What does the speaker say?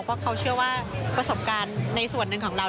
เพราะเขาเชื่อว่าประสบการณ์ในส่วนหนึ่งของเรา